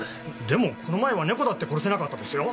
でもこの前は猫だって殺せなかったですよ？